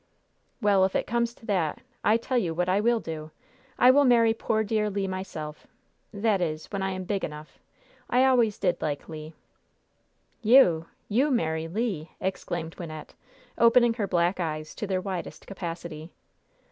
"Well, if it comes to that, I tell you what I will do. I will marry poor dear Le myself that is, when I am big enough. I always did like Le." "You! You marry Le!" exclaimed Wynnette, opening her black eyes to their widest capacity.